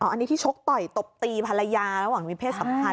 อันนี้ที่ชกต่อยตบตีภรรยาระหว่างมีเพศสัมพันธ